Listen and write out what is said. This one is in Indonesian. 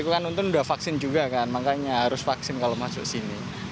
itu kan untung sudah vaksin juga kan makanya harus vaksin kalau masuk sini